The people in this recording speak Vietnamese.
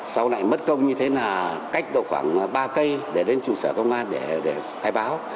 sau này mất công như thế là cách độ khoảng ba cây để đến trụ sở công an để khai báo